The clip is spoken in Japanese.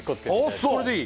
これでいい？